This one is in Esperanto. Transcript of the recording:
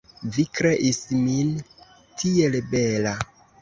Vi kreis min tiel bela!